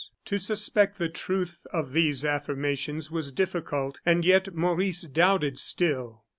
To suspect the truth of these affirmations was difficult, and yet Maurice doubted still.